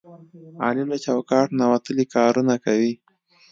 علي له چوکاټ نه وتلي کارونه کوي.